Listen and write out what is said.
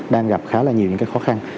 đang gặp khá là nhiều những khó khăn